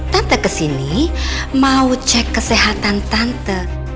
tante kesini mau cek kesehatan tante